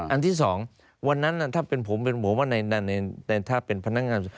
อันที่๒วันนั้นถ้าเป็นผมเป็นผมว่าถ้าเป็นพนักงาน